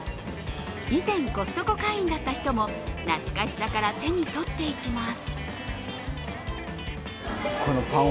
以前、コストコ会員だった人も懐かしさから手に取っていきます。